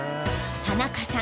田中さん